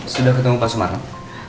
sudah ketemu pak semarang